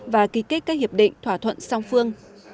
và ký kết các hiệp định thỏa thuận song phương